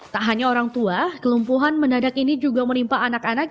tak hanya orang tua kelumpuhan mendadak ini juga menimpa anak anak